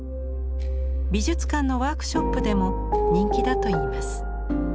美術館のワークショップでも人気だといいます。